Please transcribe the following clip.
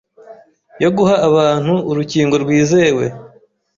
yo guha abantu urukingo rwizewe